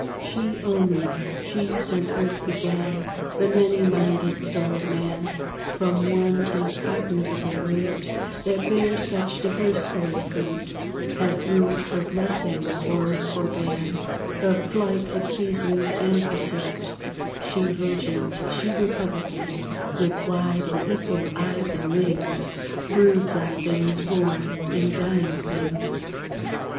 She only, she since earth began, The many minded soul of man, From one incognizable root That bears such divers coloured fruit, Hath ruled for blessing or for ban The flight of seasons and pursuit; She regent, she republican, With wide and equal eyes and wings Broods on things born and dying things.